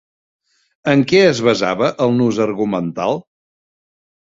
En què es basava el nus argumental?